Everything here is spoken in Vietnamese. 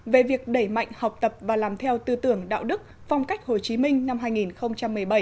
về việc đẩy mạnh học tập và làm theo tư tưởng đạo đức phong cách hồ chí minh năm hai nghìn một mươi bảy